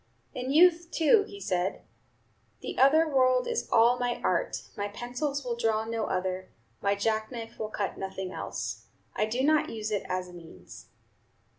In youth, too, he said, "The other world is all my art, my pencils will draw no other, my jack knife will cut nothing else; I do not use it as a means."